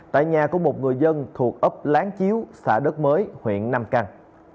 tại nhà của một người dân thuộc ấp lán chiếu xã đất mới huyện nam căng